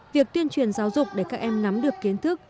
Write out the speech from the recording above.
việc tuyên truyền giáo dục để các em nắm được kiến thức